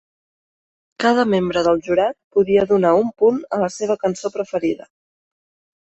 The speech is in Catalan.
Cada membre del jurat podia donar un punt a la seva cançó preferida.